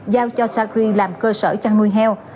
giao cho sacri làm cơ sở chăn nuôi heo